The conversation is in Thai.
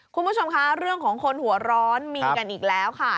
คุณผู้ชมคะเรื่องของคนหัวร้อนมีกันอีกแล้วค่ะ